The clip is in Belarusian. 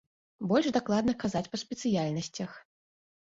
Больш дакладна казаць па спецыяльнасцях.